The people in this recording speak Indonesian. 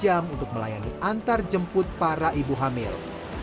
mereka siaga dua puluh empat jam untuk melayani antar jemput para ibu hamil